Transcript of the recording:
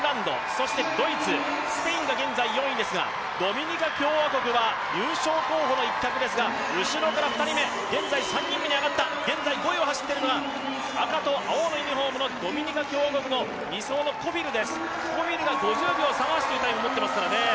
そしてドイツ、スペインが現在４位ですがドミニカ共和国は優勝候補の一角ですが後ろから２人目、現在５位を走っているのは赤と青のユニフォームのドミニカ共和国の２走のコフィルが５０秒３８というタイムを持っていますからね。